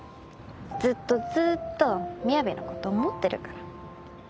ずっとずっと雅のこと思ってるから。